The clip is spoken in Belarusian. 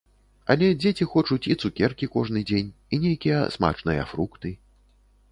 Але дзеці хочуць і цукеркі кожны дзень, і нейкія смачныя фрукты.